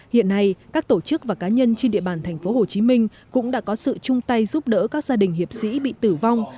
hiện nay các tổ chức và cá nhân trên địa bàn tp hcm cũng đã có sự chung tay giúp đỡ các gia đình hiệp sĩ bị tử vong